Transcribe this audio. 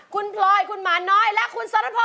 คุณปลอยคุณหมาน้อยและคุณสวัสดีครับ